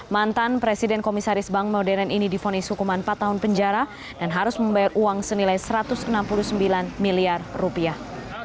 mantan presiden komisaris bank modern ini difonis hukuman empat tahun penjara dan harus membayar uang senilai satu ratus enam puluh sembilan miliar rupiah